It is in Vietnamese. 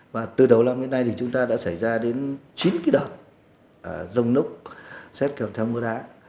và từ đầu năm đến nay thì chúng ta đã xảy ra đến chín cái đợt rông lốc xét kèm theo mưa đá